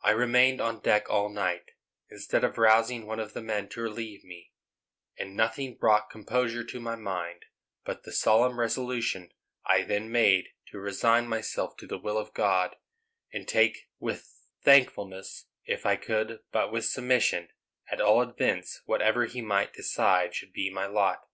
I remained on deck all night, instead of rousing one of the men to relieve me; and nothing brought composure to my mind, but the solemn resolution I then made to resign myself to the will of God, and take with thankfulness, if I could, but with submission, at all events, whatever he might decide should be my lot.